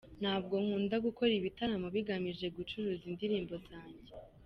Ntabwo nkunda gukora ibitaramo bigamije gucuruza indirimbo zanjye.